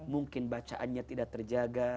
mungkin bacaannya tidak terjaga